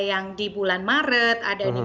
yang di bulan maret ada di